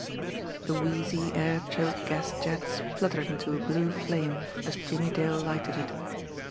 The wheezy, air choked gas jet spluttered into a blue flame, as Jimmie Dale lighted it.